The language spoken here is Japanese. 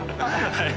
はい。